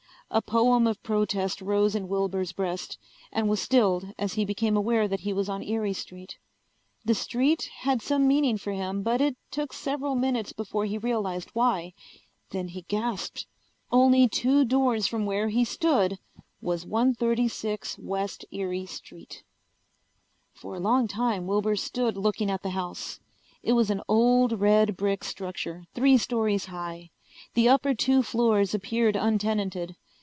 A poem of protest rose in Wilbur's breast, and was stilled as he became aware that he was on Erie street. The street had some meaning for him but it took several minutes before he realized why. Then he gasped. Only two doors from where he stood was 136 West Erie Street! For a long time Wilbur stood looking at the house. It was an old red brick structure three stories high. The upper two floors appeared untenanted.